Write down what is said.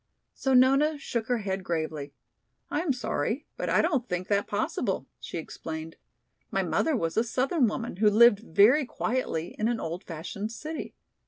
So Nona shook her head gravely. "I am sorry, but I don't think that possible," she explained. "My mother was a southern woman, who lived very quietly in an old fashioned city.